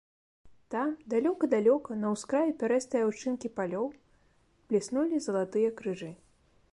Там, далёка-далёка, на ўскраі пярэстай аўчынкі палёў бліснулі залатыя крыжы.